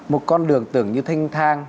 một con đường tưởng như thanh thang